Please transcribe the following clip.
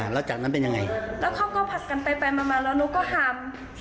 แล้วจากนั้นเป็นยังไงแล้วเขาก็ผัดกันไปไปมาแล้วหนูก็หัก